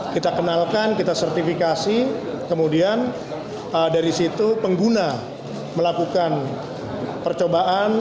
kita kenalkan kita sertifikasi kemudian dari situ pengguna melakukan percobaan